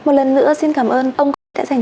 một lần nữa xin cảm ơn ông đã dành